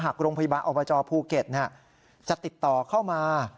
โรงพยาบาลอบจภูเก็ตจะติดต่อเข้ามา